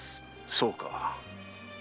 そうか。